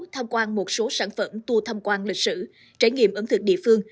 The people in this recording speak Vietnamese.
tham quan một số sản phẩm tour tham quan lịch sử trải nghiệm ẩn thực địa phương